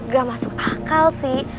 gak masuk akal sih